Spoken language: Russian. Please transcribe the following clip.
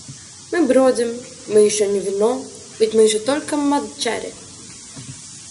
Мы бродим, мы еще не вино, ведь мы еще только мадчари.